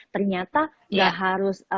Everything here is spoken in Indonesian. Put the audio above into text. ternyata tidak harus